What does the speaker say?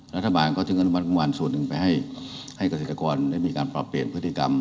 รัฐบาลเขาถึงประมาณส่วนหนึ่งไปให้เกษตรกรได้มีการปรับเปลี่ยนพฤติกรรม